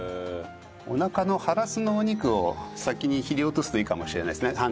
おなかのハラスのお肉を先に切り落とすといいかもしれないですね。